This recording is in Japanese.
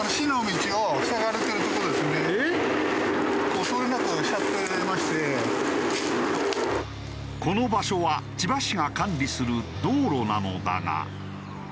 ここがこの場所は千葉市が管理する道路なのだが。